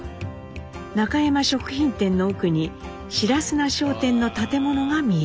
中山食品店の奥に白砂商店の建物が見えます。